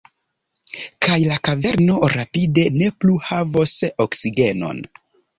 Kaj la kaverno rapide ne plu havos oksigenon.